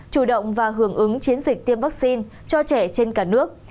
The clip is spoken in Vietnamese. chủ động và hưởng ứng chiến dịch tiêm vaccine cho trẻ trên cả nước